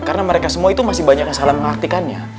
karena mereka semua itu masih banyak yang salah mengertikannya